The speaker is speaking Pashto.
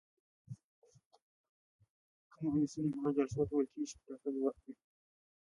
کنوانسیون هغو جلسو ته ویل کیږي چې په ټاکلي وخت وي.